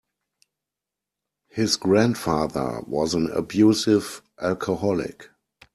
His grandfather was an abusive alcoholic.